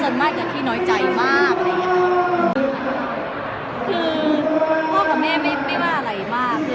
แต่จะมีปัญหาเรื่องที่เราเอาแต่ใจมาก